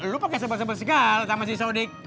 lu pake sebal sebal segala sama si sodiq